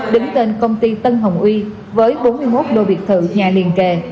đứng tên công ty tân hồng uy với bốn mươi một lô biệt thự nhà liền kề